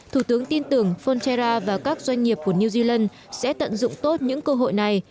thủ tướng tin tưởng flcera và các doanh nghiệp của new zealand sẽ tận dụng tốt những cơ hội này